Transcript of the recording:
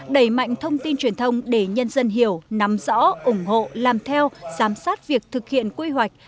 đẩy mạnh thông tin truyền thông để nhân dân hiểu nắm rõ ủng hộ làm theo giám sát việc thực hiện quy hoạch